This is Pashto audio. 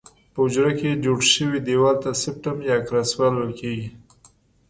په حجره کې جوړ شوي دیوال ته سپټم یا کراس وال ویل کیږي.